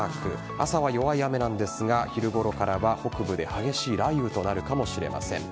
朝は弱い雨なんですが昼ごろからは北部で激しい雷雨となるかもしれません。